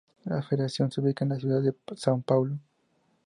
La federación se ubica en la ciudad de São Paulo.